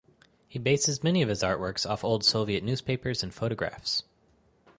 He bases many of his artworks off old Soviet newspapers and photographs.